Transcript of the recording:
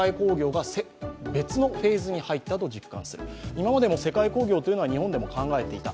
今までの世界興行いうのは日本でも考えていた。